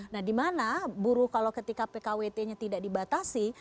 nah dimana buruh kalau ketika pkwt nya tidak dibatasi